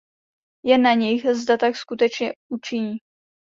Je na nich, zda tak skutečně učiní.